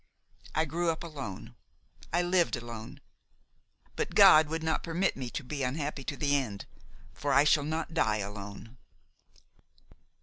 I grew up alone, I lived alone; but God would not permit me to be unhappy to the end, for I shall not die alone.